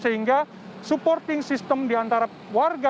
sehingga supporting system di antara warga